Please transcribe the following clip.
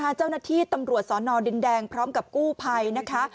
เจ้าหน้าที่ตำรวจสอนอดินแดงพร้อมกับกู้ภัยนะคะ